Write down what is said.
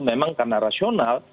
memang karena rasional